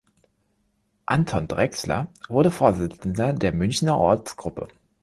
Anton Drexler wurde Vorsitzender der Münchener Ortsgruppe.